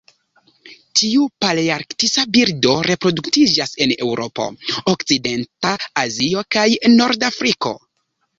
Tiu palearktisa birdo reproduktiĝas en Eŭropo, okcidenta Azio kaj norda Afriko.